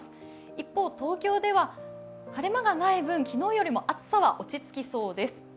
一方、東京では晴れ間がない分昨日よりも暑さは落ち着きそうです。